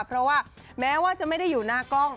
เพราะว่าแม้ว่าจะไม่ได้อยู่หน้ากล้อง